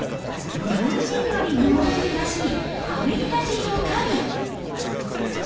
日本人より日本人らしいアメリカ人おかみ。